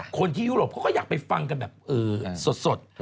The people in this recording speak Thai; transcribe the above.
ยุโรปเขาก็อยากไปฟังกันแบบสด